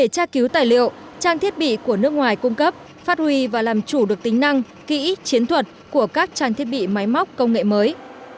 tra cứu tài liệu trang thiết bị của nước ngoài cung cấp phát huy và làm chủ được tính năng kỹ chiến thuật của các trang thiết bị máy móc công nghệ mới